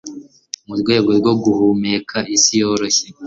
murwego rwo guhumeka isi yoroshye